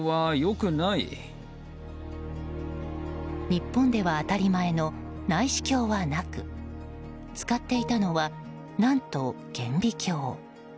日本では当たり前の内視鏡はなく使っていたのは、何と顕微鏡。